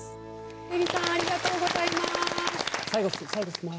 えりさんありがとうございます！